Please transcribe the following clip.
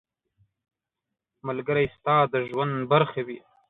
ملګری ستا د ژوند برخه وي.